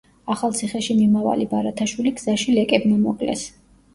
ახალციხეში მიმავალი ბარათაშვილი გზაში ლეკებმა მოკლეს.